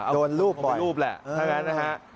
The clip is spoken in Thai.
โดนลูบบ่อยโดนลูบแหละถ้างั้นนะฮะ